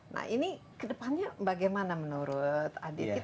nah ini ke depannya bagaimana menurut adit